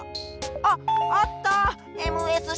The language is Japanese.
あっあった！